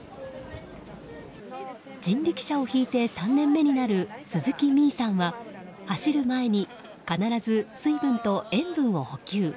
人力車を引いて３年目になる鈴木美衣さんは走る前に必ず水分と塩分を補給。